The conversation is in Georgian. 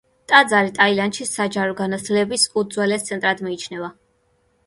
ტაძარი ტაილანდში საჯარო განათლების უძველეს ცენტრად მიიჩნევა.